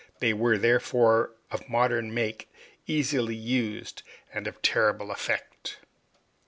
They were therefore, of modern make, easily used, and of terrible effect.